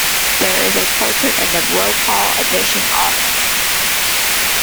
There is a portrait in the "Brokaw Edition"s office.